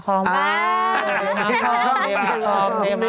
๒๐คันแล้วมากันแล้ว